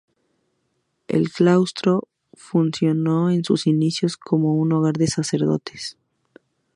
El claustro funcionó en sus inicios como hogar de los sacerdotes.